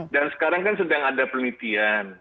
dan sekarang kan sedang ada penelitian